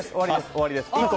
終わりです！